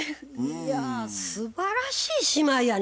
いやすばらしい姉妹やね。